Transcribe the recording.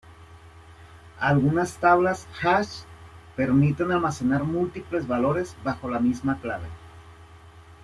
Algunas tablas "hash" permiten almacenar múltiples valores bajo la misma clave.